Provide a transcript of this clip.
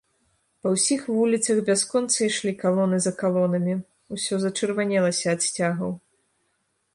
Па ўсіх вуліцах бясконца ішлі калоны за калонамі, усё зачырванелася ад сцягаў.